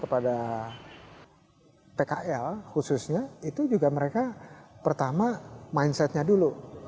pada pkl khususnya itu juga mereka pertama mindset nya dulu